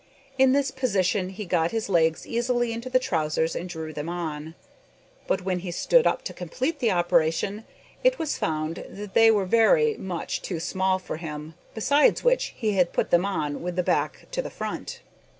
In this position he got his legs easily into the trousers and drew them on, but when he stood up to complete the operation, it was found that they were very much too small for him, besides which he had put them on with the back to the front!